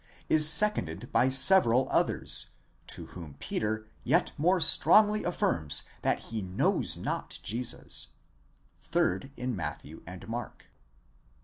is seconded by several others, to whom Peter yet more strongly affirms that he knows not Jesus (3rd in Matthew and Mark).